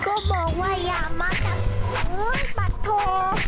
ก็บอกว่าอย่ามาจับมือปัดโทร